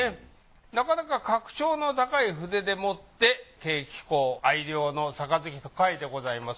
なかなか格調の高い筆でもって「慶喜公愛用之杯」と書いてございます。